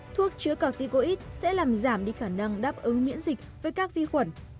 thuốc chứa corticoid sẽ làm giảm đi khả năng đáp ứng miễn dịch với các vi khuẩn